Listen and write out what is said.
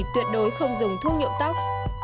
tuyệt đối không dùng thuốc nhuộm tóc